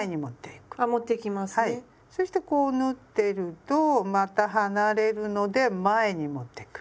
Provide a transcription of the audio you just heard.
そしてこう縫ってるとまた離れるので前に持ってくる。